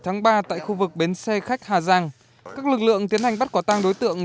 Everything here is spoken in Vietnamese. ngày ba tại khu vực bến xe khách hà giang các lực lượng tiến hành bắt quả tang đối tượng